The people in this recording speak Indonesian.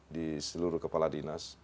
di seluruh kepala dinas